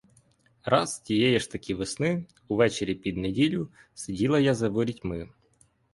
Раз тієї ж таки весни, увечері під неділю, сиділа я за ворітьми.